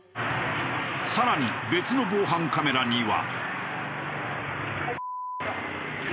さらに別の防犯カメラには。